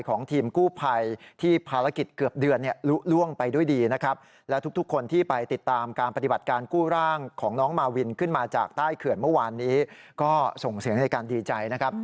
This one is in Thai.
ก็ส่งเสียงในการดีใจนะครับ